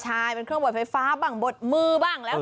ใช่เป็นเครื่องบดไฟฟ้าบ้างบดมือบ้างแล้ว